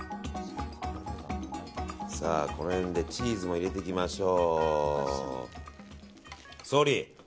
さあ、この辺でチーズを入れてきましょう。